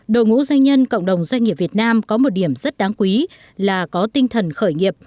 đồng ngũ doanh nhân cộng đồng doanh nghiệp việt nam có một điểm rất đáng quý là có tinh thần khởi nghiệp